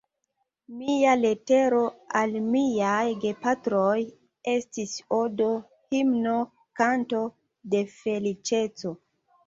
Mia letero al miaj gepatroj estis odo, himno, kanto de feliĉeco.